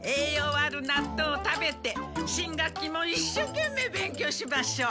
あるなっとうを食べて新学期もいっしょけんめい勉強しましょう。